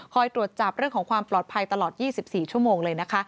ตรวจจับเรื่องของความปลอดภัยตลอด๒๔ชั่วโมงเลยนะคะ